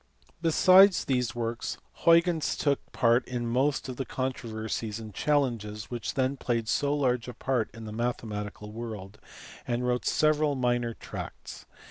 Besides these works Hnygeus took part in most of the controversies and challenges which then played so large a part in the mathematical world, and wrote several minor tracts.